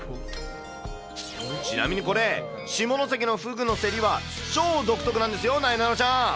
ちなみにこれ、下関のフグの競りは超独特なんですよ、なえなのちゃん。